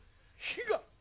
火が！